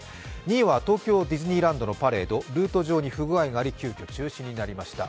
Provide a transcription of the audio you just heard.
２位は東京ディズニーランドのパレード、ルート上に不具合があり急きょ中止になりました。